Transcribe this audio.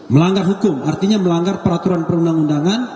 melanggar hukum artinya melanggar peraturan perundang undangan